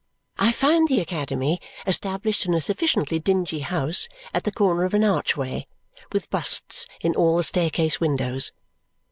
I found the academy established in a sufficiently dingy house at the corner of an archway, with busts in all the staircase windows.